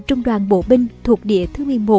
trung đoàn bộ binh thuộc địa thứ một mươi một